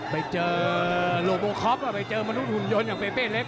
ไปเจอโลโบคอปไปเจอมนุษยหุ่นยนต์อย่างเปเป้เล็ก